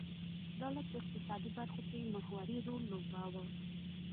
دولت په اقتصادي برخو کې محوري رول لوباوه.